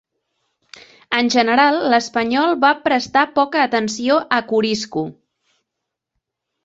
En general, l'espanyol va prestar poca atenció a Corisco.